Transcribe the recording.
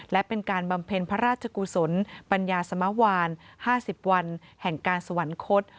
และเป็นการบำเพ็ญพระราชกุศลปัญญาสมวาน๕๐วันแห่งการสวรรคต